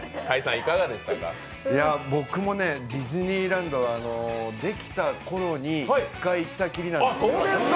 僕もディズニーランドはできたころに１回行ったきりなんですよ。